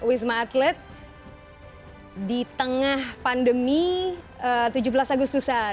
rumah sakit darurat wisma atlet di tengah pandemi tujuh belas agustusan